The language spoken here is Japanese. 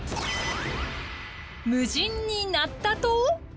「無人になった島」。